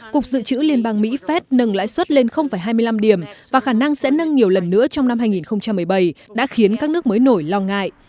cục dự trữ liên bang mỹ phép nâng lãi suất lên hai mươi năm điểm và khả năng sẽ nâng nhiều lần nữa trong năm hai nghìn một mươi bảy đã khiến các nước mới nổi lo ngại